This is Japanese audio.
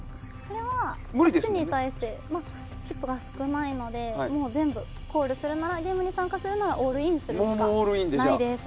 オールインに対してチップが少ないので全部コールするならゲームに参加するならオールインで。